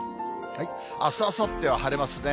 あす、あさっては晴れますね。